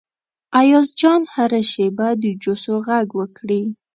ایاز جان هره شیبه د جوسو غږ وکړي.